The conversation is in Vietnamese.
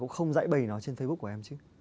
cũng không dãy bầy nó trên facebook của em chứ